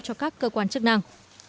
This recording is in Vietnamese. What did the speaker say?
cho các cơ quan chức năng